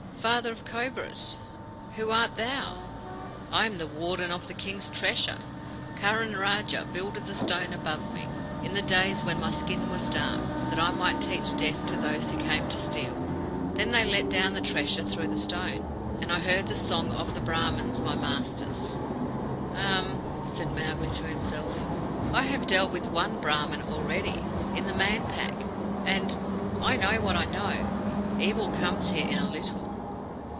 Father of Cobras, who art thou?" "I am the Warden of the King's Treasure. Kurrun Raja builded the stone above me, in the days when my skin was dark, that I might teach death to those who came to steal. Then they let down the treasure through the stone, and I heard the song of the Brahmins my masters." "Umm!" said Mowgli to himself. "I have dealt with one Brahmin already, in the Man Pack, and I know what I know. Evil comes here in a little."